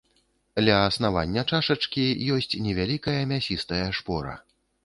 Ля аснавання чашачкі ёсць невялікая мясістая шпора.